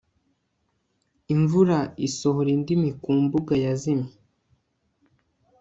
imvura isohora indimi ku mbuga yazimye